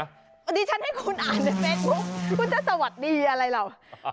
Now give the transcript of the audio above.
อันนี้ฉันให้คุณอ่านในเม็กพุกคุณจะสวัสดีอะไรหรอก